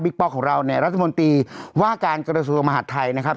ป๊อกของเราเนี่ยรัฐมนตรีว่าการกระทรวงมหาดไทยนะครับ